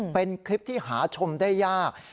เป็นคลิปที่หาชมได้ยาก